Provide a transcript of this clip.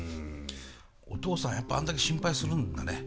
お父さんやっぱあんだけ心配するんだね。